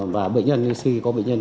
và bệnh nhân si có bệnh nhân